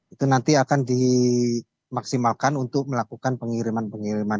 itu nanti akan dimaksimalkan untuk melakukan pengiriman pengiriman